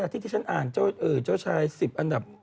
ที่ที่ฉันอ่านเจ้าชาย๑๐อันดับ